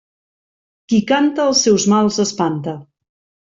Qui canta els seus mals espanta.